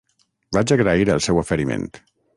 Vaig agrair el seu oferiment.